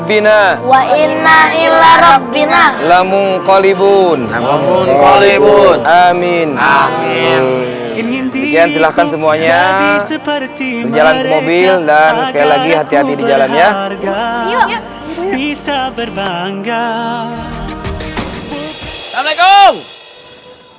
pun amin amin silahkan semuanya berjalan ke mobil dan kelihatan di jalannya bisa berbangga